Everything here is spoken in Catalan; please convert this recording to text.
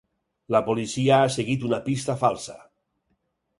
La policia ha seguit una pista falsa.